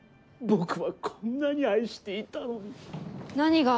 僕はこんなに愛していたのに。